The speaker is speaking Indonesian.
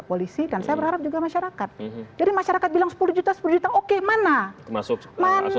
polisi dan saya berharap juga masyarakat jadi masyarakat bilang sepuluh juta sepuluh juta oke mana masuk